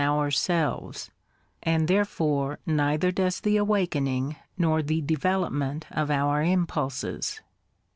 39 ourselves, and therefore neither does the awakening nor the development of our impulses.